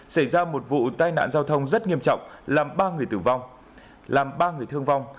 xảy ra một vụ tai nạn giao thông rất nghiêm trọng làm ba người tử vong làm ba người thương vong